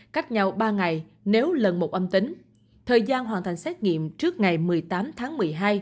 cách nhau ba ngày nếu lần một âm tính thời gian hoàn thành xét nghiệm trước ngày một mươi tám tháng một mươi hai